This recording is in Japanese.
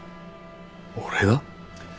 俺が？